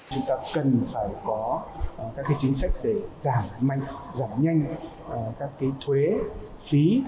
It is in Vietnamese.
chúng ta cần phải có các chính sách để giảm nhanh các cái thuế phí